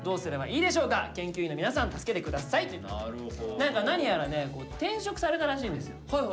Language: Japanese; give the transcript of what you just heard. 何か何やらね転職されたらしいんですよ。